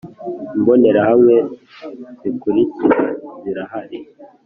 Imbonerahamwe zikurikira zirahari